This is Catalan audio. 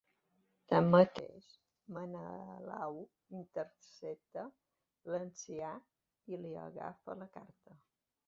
Tanmateix, Menelau intercepta l'ancià i li agafa la carta.